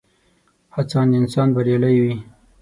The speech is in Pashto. هڅاند انسان بريالی وي.